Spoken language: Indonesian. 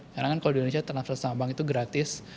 karena kan kalau di indonesia tenaga bank itu gratis